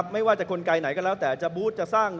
ไม่ว่าจะกลไกไหนก็แล้วแต่จะบูธจะสร้าง